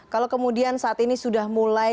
kalau kemudian saat ini sudah mulai